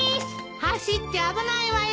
走っちゃ危ないわよ。